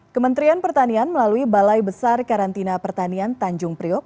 kementerian pertanian melalui balai besar karantina pertanian tanjung priok